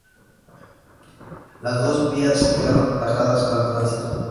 Las dos vías quedaron tajadas al tránsito.